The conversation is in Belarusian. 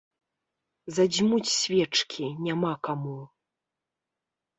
Задзьмуць свечкі няма каму.